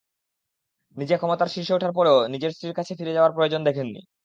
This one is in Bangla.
নিজে ক্ষমতার শীর্ষে ওঠার পরেও নিজের স্ত্রীর কাছে ফিরে যাওয়ার প্রয়োজন দেখেননি।